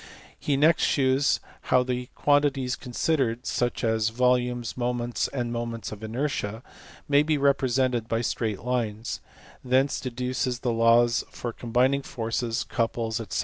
He next shews how the quan tities considered such as volumes, moments, and moments of inertia may be represented by straight lines ; thence deduces the laws for combining forces, couples, &c.